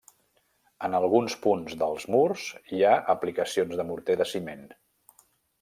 En alguns punts dels murs hi ha aplicacions de morter de ciment.